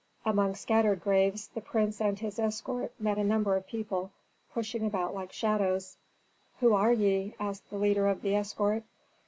Among scattered graves, the prince and his escort met a number of people, pushing about like shadows. "Who are ye?" asked the leader of the escort.